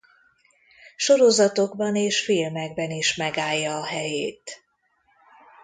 Sorozatokban és filmekben is megállja a helyét.